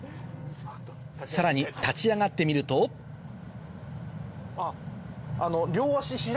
さらに立ち上がってみるとあっ。